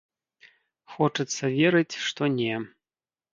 Хочацца верыць, што не.